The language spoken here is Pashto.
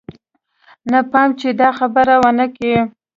نه پام چې دا خبره ونه کې.